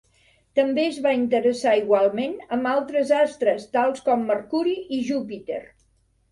També es va interessar igualment amb altres astres tals com Mercuri i Júpiter.